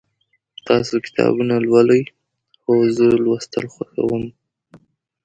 تاسو کتابونه لولئ؟ هو، زه لوستل خوښوم